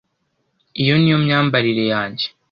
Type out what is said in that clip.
Iyo niyo myambarire yanjye.